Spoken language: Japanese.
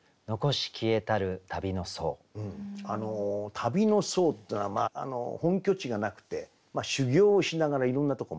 「旅の僧」っていうのは本拠地がなくて修行をしながらいろんなとこ回る。